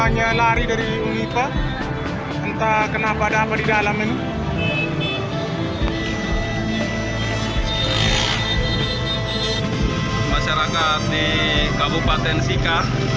nyelari dari unikah entah kenapa ada apa di dalam ini masyarakat di kabupaten sika